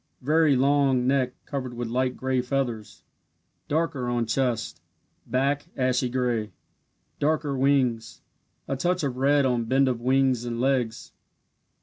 Very long neck covered with light gray feathers darker on chest back, ashy gray darker wings a touch of red on bend of wings and legs.